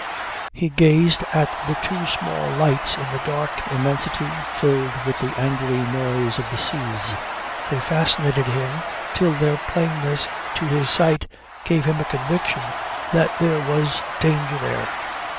He gazed at the two small lights in the dark immensity filled with the angry noise of the seas. They fascinated him till their plainness to his sight gave him a conviction that there was danger there.